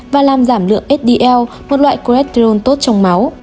và làm giảm lượng sdl một loại colesterol tốt trong máu